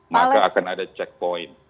maka akan ada checkpoint